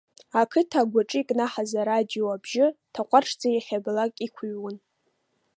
Ақыҭа агәаҿы икнаҳаз арадио абжьы ҭахәаҽӡа иахьабалак иқәыҩуан.